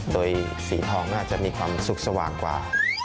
โดยสีทองน่าจะมีความสุขสว่างกว่า